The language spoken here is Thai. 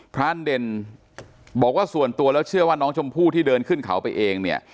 รานเด่นบอกว่าส่วนตัวแล้วเชื่อว่าน้องชมพู่ที่เดินขึ้นเขาไปเองเนี่ย